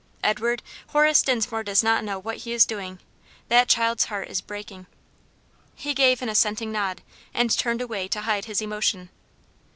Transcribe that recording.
Edward, Horace Dinsmore does not know what he is doing; that child's heart is breaking." He gave an assenting nod, and turned away to hide his emotion.